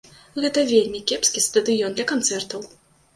Гэта вельмі кепскі стадыён для канцэртаў.